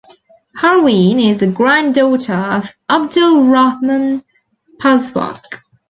Parween is the grand daughter of Abdul Rahman Pazhwak.